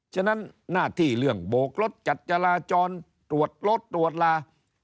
ฉะนั้นหน้าที่เรื่องโบกรถจัดจราจรตรวจรถตรวจลา